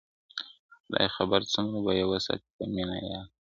خداى خبر څومره به يې وساتې په مـيـــــنه يــــــــــاره.